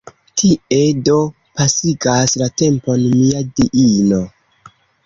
Tie do pasigas la tempon mia diino!